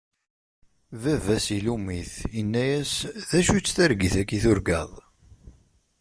Baba-s ilumm-it, inna-as: D acu-tt targit-agi i turgaḍ?